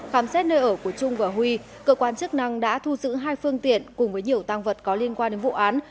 khám xét nơi ở của trung và huy cơ quan chức năng đã thu giữ hai phương tiện cùng với nhiều tăng vật có liên quan đến vụ án